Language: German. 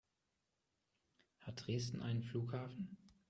Hat Dresden einen Flughafen?